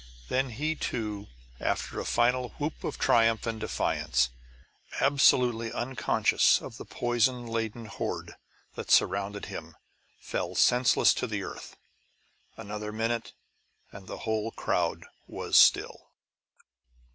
Then he, too, after a final whoop of triumph and defiance, absolutely unconscious of the poison laden horde that surrounded him, fell senseless to the earth. Another minute, and the whole crowd was still.